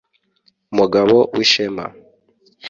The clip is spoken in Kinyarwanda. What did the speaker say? Mugabo w’ishema